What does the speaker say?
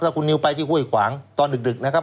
คุณนิวไปที่ห้วยขวางตอนดึกนะครับ